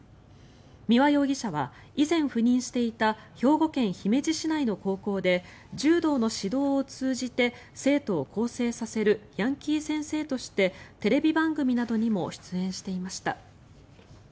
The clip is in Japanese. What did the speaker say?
三輪容疑者は以前赴任していた兵庫県姫路市内の高校で柔道の指導を通じて生徒を更生させるヤンキー先生としてテレビ番組などにも出演していました。